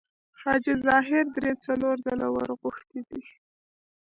حاجي ظاهر درې څلور ځله ورغوښتی دی.